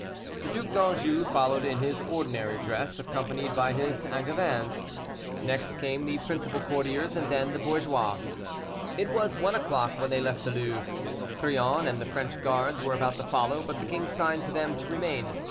The Duc d'Anjou followed in his ordinary dress, accompanied by his Angevins. Next came the principal courtiers, and then the bourgeois. It was one o'clock when they left the Louvre. Crillon and the French guards were about to follow, but the king signed to them to remain.